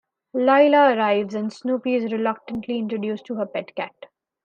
Lila arrives and Snoopy is reluctantly introduced to her pet cat.